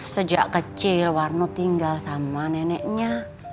sejak kecil warno tinggal sama neneknya